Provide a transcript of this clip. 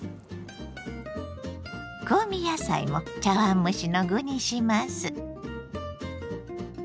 香味野菜も茶碗蒸しの具にします。